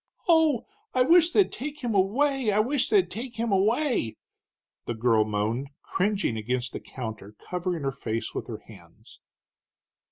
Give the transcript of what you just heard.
"Oh, I wish they'd take him away! I wish they'd take him away!" the girl moaned, cringing against the counter, covering her face with her hands.